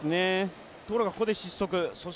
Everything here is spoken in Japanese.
ところが、ここで失速。